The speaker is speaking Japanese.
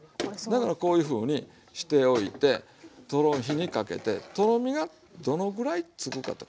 だからこういうふうにしておいてとろ火にかけてとろみがどのぐらいつくかと。